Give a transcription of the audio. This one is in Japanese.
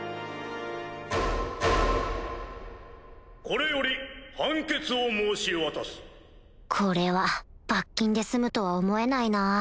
・これより判決を申し渡す・これは罰金で済むとは思えないな